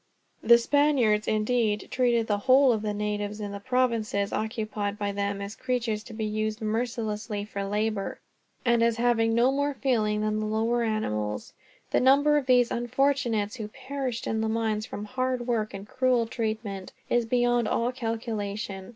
The Spaniards, indeed, treated the whole of the natives in the provinces occupied by them as creatures to be used mercilessly for labor, and as having no more feeling than the lower animals. The number of these unfortunates who perished in the mines, from hard work and cruel treatment, is beyond all calculation.